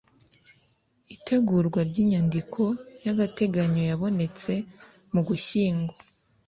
itegurwa ry'inyandiko y'agateganyo yabonetse mu ugushyingo